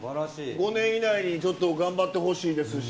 ５年以内にちょっと頑張ってほしいですし。